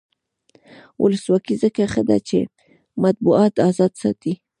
ولسواکي ځکه ښه ده چې مطبوعات ازاد ساتي.